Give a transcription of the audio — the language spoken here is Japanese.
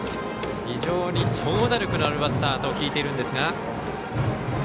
非常に長打力のあるバッターと聞いているんですが。